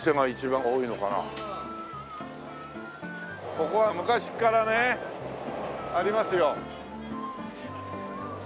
ここは昔からねありますよ。